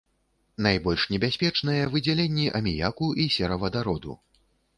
Найбольш небяспечныя выдзяленні аміяку і серавадароду.